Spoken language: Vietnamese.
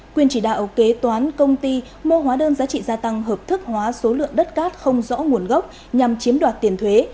quyền chỉ đạo kế toán công ty mua hóa đơn giá trị gia tăng hợp thức hóa số lượng đất cát không rõ nguồn gốc nhằm chiếm đoạt tiền thuế